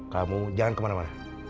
kamu jangan kemana mana